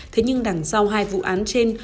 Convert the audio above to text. thế nhưng đằng sau hai vụ án trên